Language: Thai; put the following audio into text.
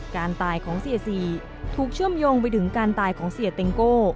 การตายของเสียซีถูกเชื่อมโยงไปถึงการตายของเสียเต็งโก้